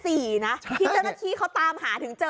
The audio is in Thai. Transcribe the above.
ที่เจ้าหน้าที่เขาตามหาถึงเจอ